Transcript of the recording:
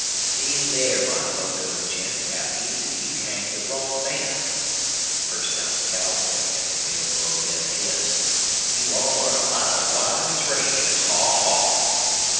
"See there, my locoed gents, how easy you'd hang the wrong man," burst out the cowboy, as he made the rope end hiss. "You all are a lot of wise rangers. Haw! haw!"